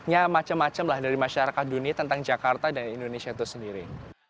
ya macam macam lah dari masyarakat dunia tentang jakarta dan indonesia itu sendiri